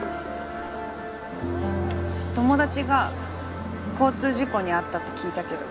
友達が交通事故に遭ったって聞いたけど